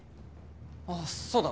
ああそうだ。